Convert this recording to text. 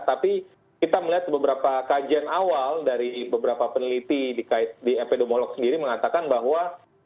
tapi kita melihat beberapa kajian awal dari beberapa peneliti di epidemiolog sendiri mengatakan bahwa